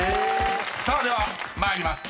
［さあでは参ります。